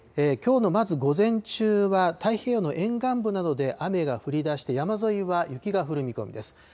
きょうのまず午前中は太平洋の沿岸部などで雨が降りだして、山沿いは雪が降る見込みです。